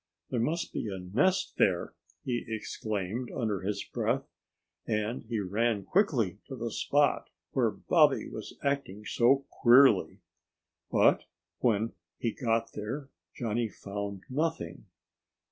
"There must be a nest there!" he exclaimed under his breath. And he ran quickly to the spot where Bobby was acting so queerly. But when he got there Johnnie found nothing.